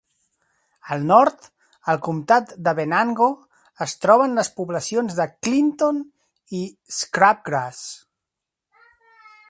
Al nord, al comptat de Venango, es troben les poblacions de Clinton i Scrubgrass.